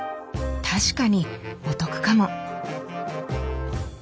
確かにお得かも。